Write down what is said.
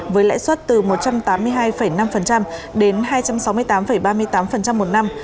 với lãi suất từ một trăm tám mươi hai năm đến hai trăm sáu mươi tám ba mươi tám một năm